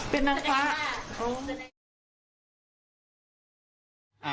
เป็นนางฟ้า